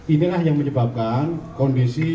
inilah yang menyebabkan kondisi